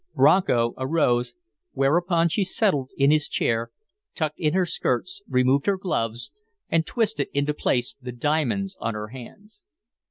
Bronco arose, whereupon she settled in his chair, tucked in her skirts, removed her gloves, and twisted into place the diamonds on her hands.